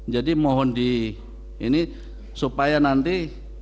jadi mohon di ini supaya nanti